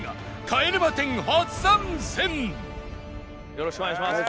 よろしくお願いします。